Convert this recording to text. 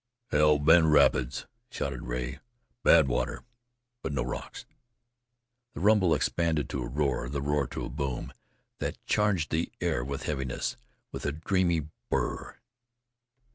"Hell Bend Rapids!" shouted Rea. "Bad water, but no rocks." The rumble expanded to a roar, the roar to a boom that charged the air with heaviness, with a dreamy burr.